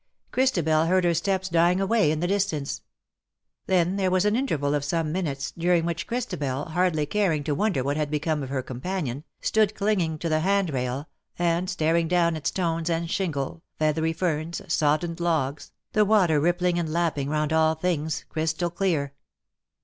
Christabel heard her steps dying away in the distance. Then there was an interval of some minutes, during which Christabel, hardly caring to wonder what had become of her companion, stood clinging to the handrail, and staring down at stones and shingle, feathery ferns, sodden ed logs, the water rippling and lapping round all things, crystal clear.